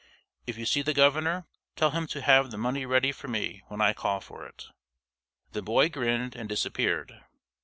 If you see the governor, tell him to have the money ready for me when I call for it." The boy grinned and disappeared.